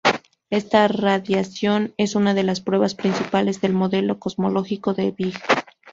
Esta radiación es una de las pruebas principales del modelo cosmológico del Big Bang.